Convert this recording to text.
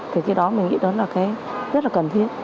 thế kia đó mình nghĩ đó là cái rất là cần thiết